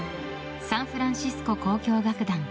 サンフランシスコ交響楽団